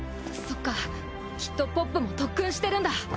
そっかきっとポップも特訓してるんだ。